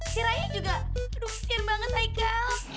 sirainya juga aduh kesian banget haikal